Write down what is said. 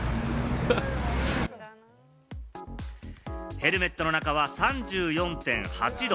ヘルメットの中は３４．８度。